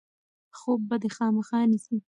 خوب به دی خامخا نیسي.